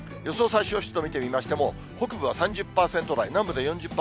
最小湿度見てみましても、北部は３０％台、南部で４０％台。